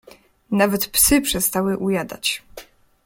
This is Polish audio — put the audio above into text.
"Nawet psy przestały ujadać."